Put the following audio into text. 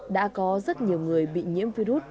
đã có rất nhiều người bị nhiễm virus